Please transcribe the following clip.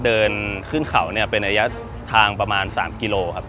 เดินขึ้นเข่าเป็นระยะทางประมาณ๓กิโลกรัมครับ